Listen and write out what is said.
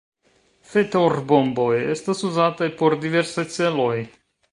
Fetorbomboj estas uzataj por diversaj celoj.